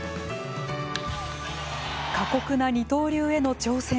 過酷な二刀流への挑戦。